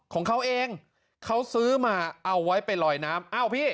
อ๋อของเขาเองเขาซื้อมาเอาไว้ไปลอยน้ำ